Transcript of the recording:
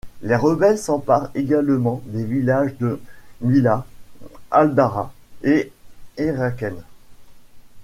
Les rebelles s'emparent également des villages de Mliha, Al-Dara et et Rakhem.